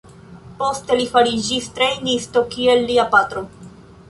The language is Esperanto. Poste li fariĝis trejnisto kiel lia patro.